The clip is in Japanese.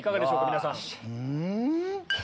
皆さん。